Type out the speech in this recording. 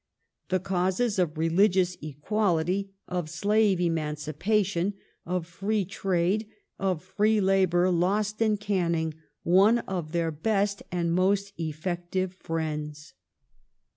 The causes of religious equality, of slave emancipation, of free trade, of free labour lost in Canning one of their best and most effective i]^ friends.